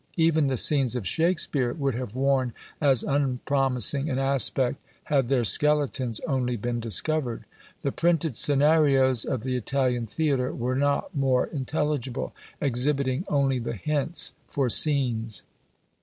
Even the scenes of Shakspeare would have worn as unpromising an aspect, had their skeletons only been discovered." The printed scenarios of the Italian theatre were not more intelligible; exhibiting only the hints for scenes.